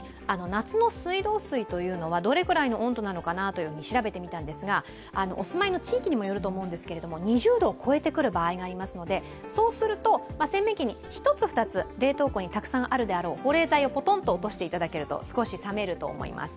夏の水道水、どれぐらいの温度か調べてみたんですが、お住まいの地域にもよると思うんですけども、２０度を超えてくる場合もありますので、そうすると、洗面器に１つ、２つ冷凍庫にたくさんあるであろう保冷剤を１つ落としていただくと、冷めると思います。